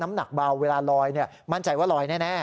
น้ำหนักเบาเวลาลอยมั่นใจว่าลอยแน่